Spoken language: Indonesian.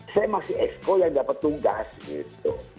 saya masih exco yang dapat tugas gitu